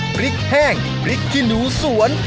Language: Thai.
พริกแห้งพริกขี้หนูสวน